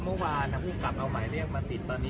เมื่อวานนะคุณกลับเอาไม่เรียกมาติดตอนนี้